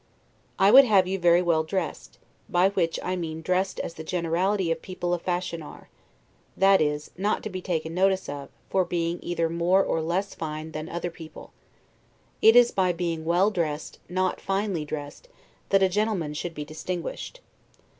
I would have you very well dressed, by which I mean dressed as the generality of people of fashion are; that is, not to be taken notice of, for being either more or less fine than other people: it is by being well dressed, not finely dressed, that a gentleman should be distinguished.